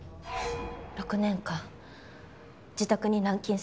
６年間自宅に軟禁されていました。